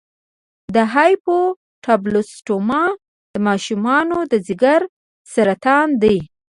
د هیپاټوبلاسټوما د ماشومانو د ځګر سرطان دی.